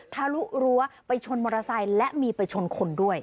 ทะลุรั้วไปชนมอเตอร์ไซค์และมีไปชนคนด้วย